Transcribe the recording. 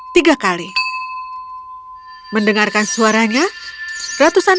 tikus itu membunyikan lonceng perang